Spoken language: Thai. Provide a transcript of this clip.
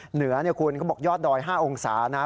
เหนือคุณเขาบอกยอดดอย๕องศานะ